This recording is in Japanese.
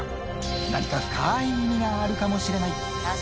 何か深い意味があるかもしれない。